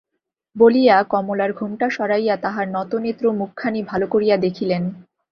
বলিয়া কমলার ঘোমটা সরাইয়া তাহার নতনেত্র মুখখানি ভালো করিয়া দেখিলেন।